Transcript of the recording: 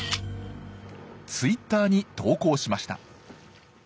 ツイッターに投稿しました。